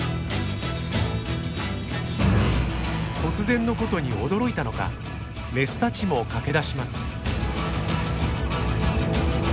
突然のことに驚いたのかメスたちも駆け出します。